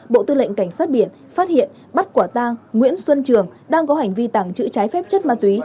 bộ tư lệnh cảnh sát biển phát hiện bắt quả tang nguyễn xuân trường đang có hành vi tàng trữ trái phép chất ma túy